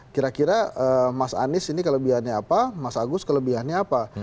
kira kira mas anies ini kelebihannya apa mas agus kelebihannya apa